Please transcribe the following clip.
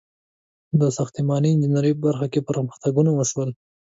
• د ساختماني انجینرۍ په برخه کې پرمختګونه وشول.